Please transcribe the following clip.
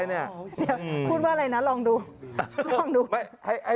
คุณว่าอะไรนะลองดู